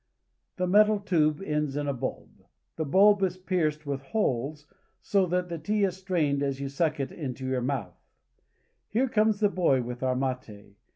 The metal tube ends in a bulb. This bulb is pierced with holes, so that the tea is strained as you suck it into your mouth. THE CHACO. 235 Here comes the boy with our mate.